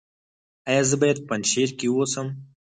ایا زه باید په پنجشیر کې اوسم؟